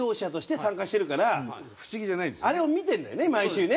あれを見てるんだよね毎週ね。